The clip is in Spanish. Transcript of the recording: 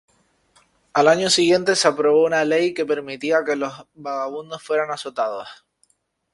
Al año siguiente se aprobó una ley que permitía que los vagabundos fueran azotados.